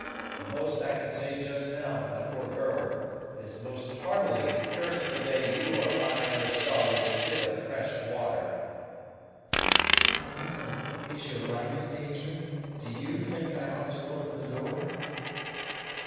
The most I can say just now, my poor girl, is most heartily to curse the day you or I ever saw this bit of fresh water." "But, uncle, is your life in danger do you think I ought to open the door?"